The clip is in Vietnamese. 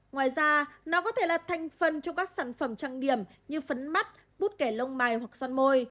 ngoài ra nó có thể là thành phần trong các sản phẩm trang điểm như phấn mắt bút kẻ lông mài hoặc son môi